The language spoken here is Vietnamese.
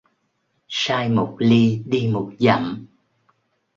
Sai một li đi một dặm